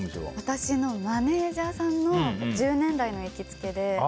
私のマネジャーさんの１０年来の行きつけで。